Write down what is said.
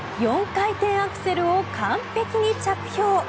４回転アクセルを完璧に着氷。